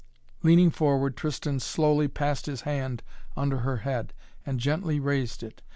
Leaning forward Tristan slowly passed his hand under her head and gently raised it.